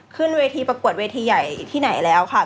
ขึ้นเวทีประกวดเวทีใหญ่ที่ไหนแล้วค่ะ